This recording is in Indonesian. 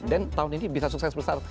dan tahun ini bisa sukses besar